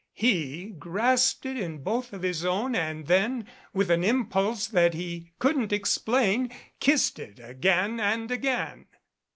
He grasped it in both of his own and then, with an impulse that he couldn't explain, kissed it again and again.